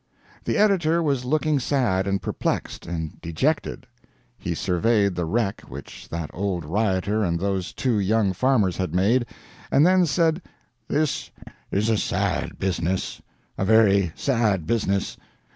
] The editor was looking sad and perplexed and dejected. He surveyed the wreck which that old rioter and those two young farmers had made, and then said "This is a sad business a very sad business.